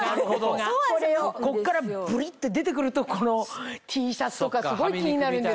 こっからブリって出てくるとこのＴシャツとかすごい気になるんですよね